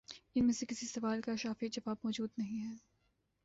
ان میں سے کسی سوال کا شافی جواب مو جود نہیں ہے۔